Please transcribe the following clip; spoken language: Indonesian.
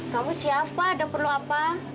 kamu siapa dan perlu apa